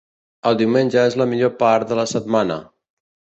El diumenge és la millor part de la setmana.